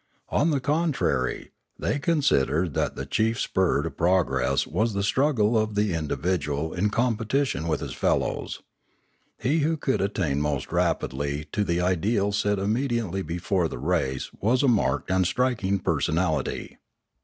On the contrary they considered that the chief spur to progress was the struggle of the indi vidual in competition with his fellows. He who could attain most rapidly to the ideal set immediately before the race was a marked and striking personality.